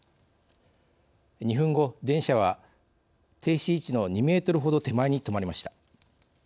２分後、電車は停止位置の２メートルほど手前に止まりました。